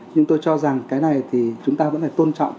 nhưng tôi cho rằng cái này thì chúng ta vẫn phải tôn trọng